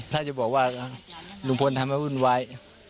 ถ้าจะบอกว่าลุงพลทำให้วุ่นวาย